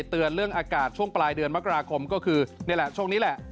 เตือนเรื่องอากาศช่วงปลายเดือนมกราคมก็คือนี่แหละช่วงนี้แหละ